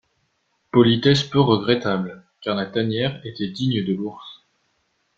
Politesse peu regrettable, car la tanière était digne de l’ours.